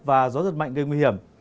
và gió rất mạnh gây nguy hiểm